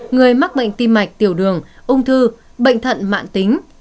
người mắc bệnh tim mạch tiểu đường ung thư bệnh thận mạng tính